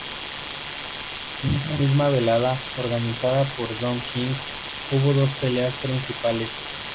En esa misma velada, organizada por Don King, hubo dos peleas principales.